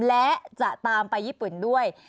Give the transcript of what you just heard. และจะตามไปญี่ปุ่นด้วย